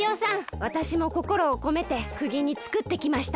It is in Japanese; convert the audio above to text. わたしもこころをこめてくぎ煮つくってきました。